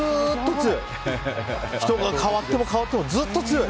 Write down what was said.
人が変わっても、変わってもずっと強い！